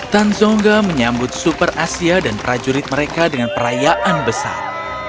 tan zongga menyambut super asia dan prajurit mereka dengan perayaan besar